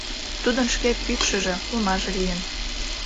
Тудын шке пӱкшыжӧ, олмаже лийын.